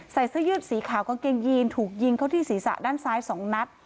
เสื้อยืดสีขาวกางเกงยีนถูกยิงเข้าที่ศีรษะด้านซ้าย๒นัด